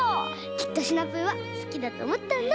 きっとシナプーはすきだとおもったんだ。